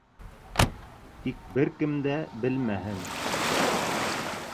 Тик бер кем дә белмәһен.